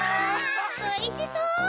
おいしそう！